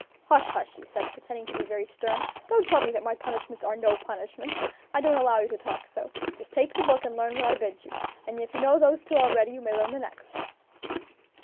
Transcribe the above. "Hush, hush!" he said, pretending to be very stern; "don't tell me that my punishments are no punishments, I don't allow you to talk so; just take the book and learn what I bid you; and if you know those two already, you may learn the next."